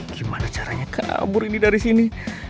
gimana caranya kabur ini dari sini